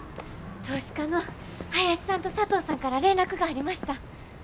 投資家の林さんと佐藤さんから連絡がありました。